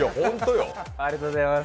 ありがとうございます。